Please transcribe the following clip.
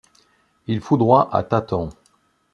Il foudroie à tâtons.